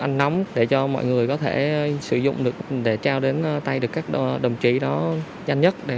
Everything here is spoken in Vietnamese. ăn nóng để cho mọi người có thể sử dụng được để trao đến tay được các đồng chí đó nhanh nhất để